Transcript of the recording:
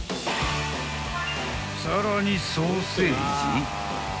［さらにソーセージ］